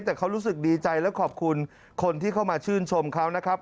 แต่เขารู้สึกดีใจและขอบคุณคนที่เข้ามาชื่นชมเขานะครับ